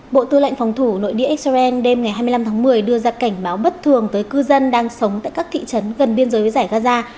bộ tư lệnh phòng thủ nội địa israel đêm ngày hai mươi năm tháng một mươi đưa ra cảnh báo bất thường tới cư dân đang sống tại các thị trấn gần biên giới với giải gaza